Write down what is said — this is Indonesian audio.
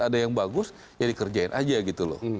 ada yang bagus ya dikerjain aja gitu loh